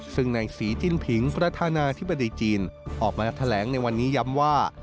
ซึ่งในศรีจินผิงประธานาธิบดีจีนออกมาแถลงในวันนี้ย้ำว่า